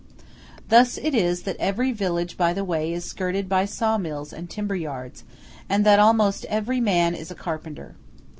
Thus it is that every village by the way is skirted by saw mills and timber yards, and that almost every man is a carpenter.